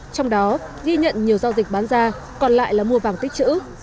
trong đó ghi nhận nhiều giao dịch bán ra còn lại là mua vàng tích chữ